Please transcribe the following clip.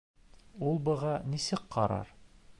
Ул быға нисек ҡарар?!